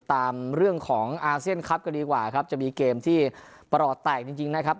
ตามเรื่องของอาเซียนคลับกันดีกว่าครับจะมีเกมที่ประหลอดแตกจริงนะครับ